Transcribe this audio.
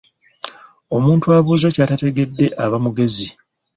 Omuntu abuuza ky'atategedde aba mugezi.